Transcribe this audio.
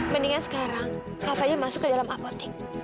mendingan sekarang kak fadil masuk ke dalam apotek